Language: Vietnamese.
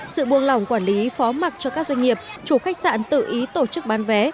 sự buông lỏng quản lý phó mặt cho các doanh nghiệp chủ khách sạn tự ý tổ chức bán vé